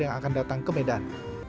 yang akan datang ke medan